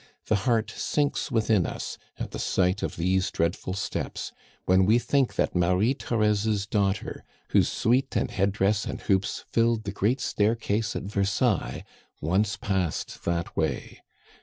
The heart sinks within us at the sight of these dreadful steps, when we think that Marie Therese's daughter, whose suite, and head dress, and hoops filled the great staircase at Versailles, once passed that way!